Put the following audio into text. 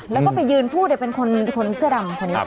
แล้วก็ไปยืนผู้เดี๋ยวเป็นคนเสื้อดำคนนี้ค่ะ